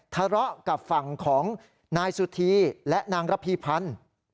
ทะเลาะกับฝั่งของนายสุธีและนางระพีพันธ์